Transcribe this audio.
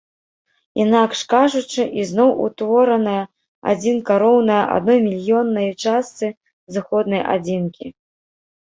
Інакш кажучы, ізноў утвораная адзінка роўная адной мільённай частцы зыходнай адзінкі.